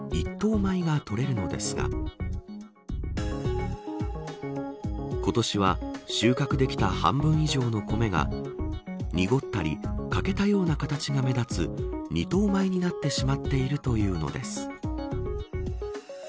米が取れるのですが今年は収穫できた半分以上のコメが濁ったり欠けたような形が目立つ二等米になってしまっているというのです。